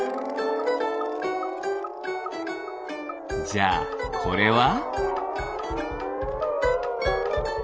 じゃあこれは？